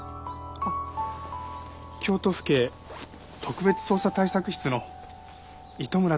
あっ京都府警特別捜査対策室の糸村といいます。